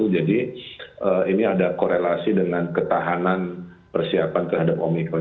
jadi ini ada korelasi dengan ketahanan persiapan terhadap omicron